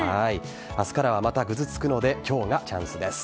明日からはまたぐずつくので今日がチャンスです。